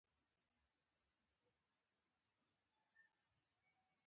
د شپې په سکون کې زړه آرامیږي